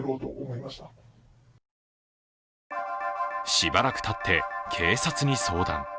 しばらくたって警察に相談。